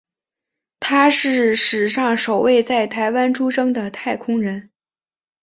他是史上首位在台湾出生的太空人。